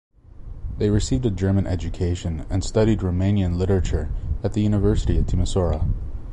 They received a German education and studied Romanian literature at the University of Timisoara.